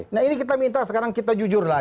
nah ini kita minta sekarang kita jujur lah